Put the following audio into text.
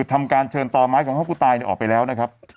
ทำการเชิญต่อไหมของห้องายของครูตายเนี่ยออกไปแล้วนะครับ